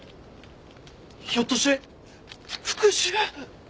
ひょっとして復讐！？